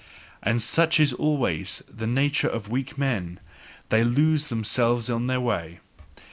And such is always the nature of weak men: they lose themselves on their way.